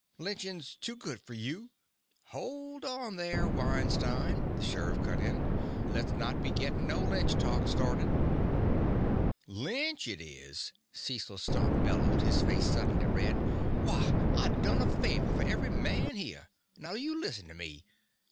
Lynching's too good for you!" "Hold on there, Weinstein," the sheriff cut in. "Let's not go gettin' no lynch talk started." "Lynch, is it!" Cecil Stump bellowed, his face suddenly red. "Why, I done a favor for every man here! Now you listen to me!